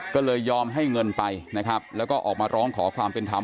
ก็เลยยอมให้เงินไปนะครับแล้วก็ออกมาร้องขอความเป็นธรรม